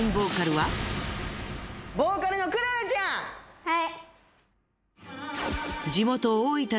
はい。